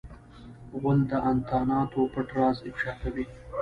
غول د انتاناتو پټ راز افشا کوي.